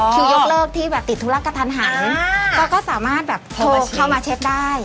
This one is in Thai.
คือยกเลิกที่แบบติดธุระกระทันหันก็สามารถแบบโทรเข้ามาเช็คได้